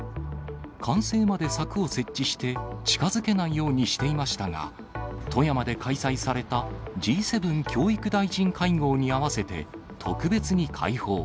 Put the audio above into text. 完成まで、柵を設置して、近づけないようにしていましたが、富山で開催されたＧ７教育大臣会合に合わせて、特別に開放。